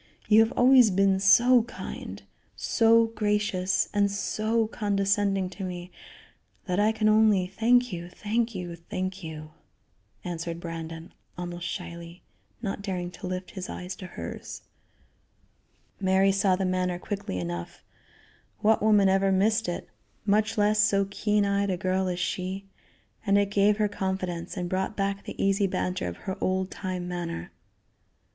You have always been so kind, so gracious and so condescending to me that I can only thank you, thank you, thank you," answered Brandon, almost shyly; not daring to lift his eyes to hers. Mary saw the manner quickly enough what woman ever missed it, much less so keen eyed a girl as she and it gave her confidence, and brought back the easy banter of her old time manner.